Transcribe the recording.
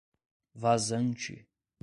Vazante